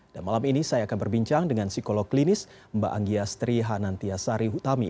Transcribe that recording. dan malam ini saya akan berbincang dengan psikolog klinis mbak anggiastri hanantiasari hutami